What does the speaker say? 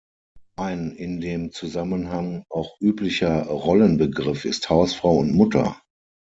Ein in dem Zusammenhang auch üblicher Rollen-Begriff ist Hausfrau und Mutter.